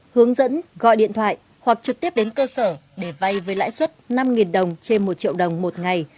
hướng dẫn gọi điện thoại hoặc trực tiếp đến cơ sở để vay với lãi suất năm đồng trên một triệu đồng một ngày